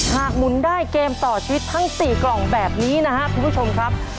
หมุนได้เกมต่อชีวิตทั้ง๔กล่องแบบนี้นะครับคุณผู้ชมครับ